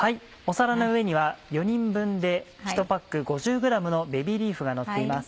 皿の上には４人分で１パック５０ｇのベビーリーフがのっています。